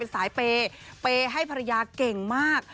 ไปให้ภรรยาเก่งมาก